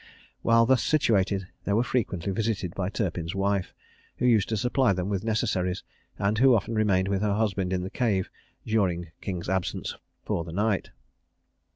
While thus situated, they were frequently visited by Turpin's wife, who used to supply them with necessaries, and who often remained with her husband in the cave, during King's absence, for the night.